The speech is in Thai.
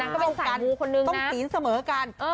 ต้องกินเสมอกัน